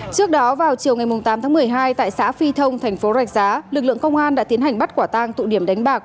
trước đó vào chiều ngày tám tháng một mươi hai tại xã phi thông thành phố rạch giá lực lượng công an đã tiến hành bắt quả tang tụ điểm đánh bạc